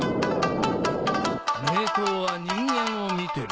名刀は人間を見てる。